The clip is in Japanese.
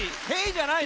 じゃない！